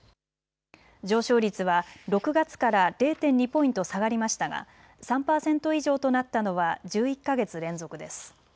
上昇率は６月から０．２ポイント下がりましたが３％以上となったのは１１か月連続です。